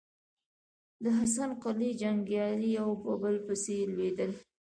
د حسن قلي جنګيالي يو په بل پسې لوېدل.